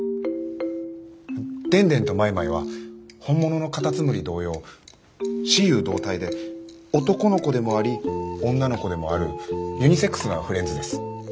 でんでんとマイマイは本物のかたつむり同様雌雄同体で男の子でもあり女の子でもあるユニセックスなフレンズです。